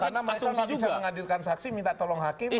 karena mereka masih bisa menghadirkan saksi minta tolong hakim